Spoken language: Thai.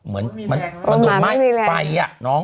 มันหนุนไป